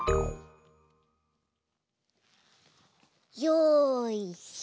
よいしょ！